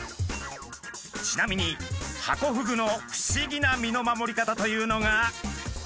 ちなみにハコフグの不思議な身の守り方というのが。